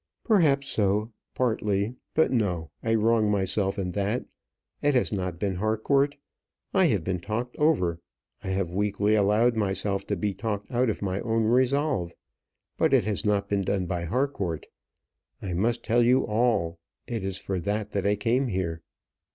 "Perhaps so, partly; but no I wrong myself in that. It has not been Harcourt. I have been talked over; I have weakly allowed myself to be talked out of my own resolve, but it has not been done by Harcourt. I must tell you all: it is for that that I came here."